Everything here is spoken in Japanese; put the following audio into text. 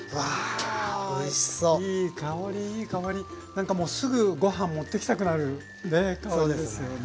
何かもうすぐご飯持ってきたくなるね香りですよね。